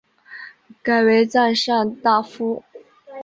改为赞善大夫。